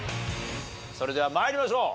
それでは参りましょう。